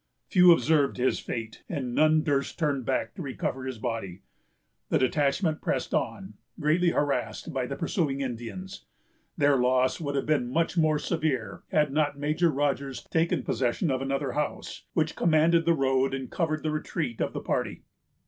Few observed his fate, and none durst turn back to recover his body. The detachment pressed on, greatly harassed by the pursuing Indians. Their loss would have been much more severe, had not Major Rogers taken possession of another house, which commanded the road, and covered the retreat of the party.